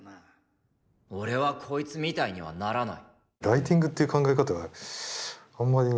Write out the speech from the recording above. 俺はこいつみたいにはならない。